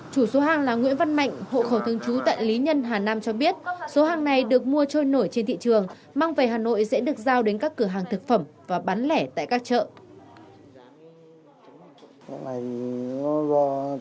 chủ số hàng là nguyễn văn mạnh hộ khẩu thương chú tại lý nhân hà nam cho biết số hàng này được mua trôi nổi trên thị trường mang về hà nội sẽ được giao đến các cửa hàng thực phẩm và bán lẻ tại các chợ